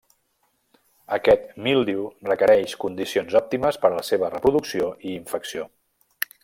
Aquest míldiu requereix condicions òptimes per a la seva reproducció i infecció.